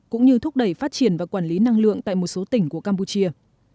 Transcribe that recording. cũng như thúc đẩy phát triển và quản lý năng lượng tại một số tỉnh của campuchia